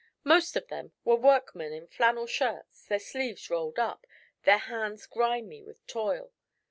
Most of them were workmen in flannel shirts, their sleeves rolled up, their hands grimy with toil.